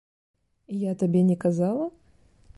Я табе не казала?